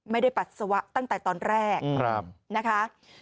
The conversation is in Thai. ๑ไม่ได้ปัสสาวะตั้งแต่ตอนแรกนะคะ